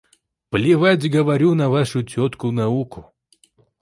Плевать, говорю, на вашу тётю науку.